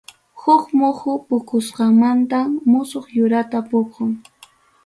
Huk muhu puqusqamantam musuq yurata puqun.